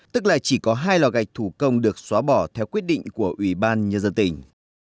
tức là chỉ có hai lò gạch thủ công được xóa bỏ theo quyết định của ủy ban nhân dân tỉnh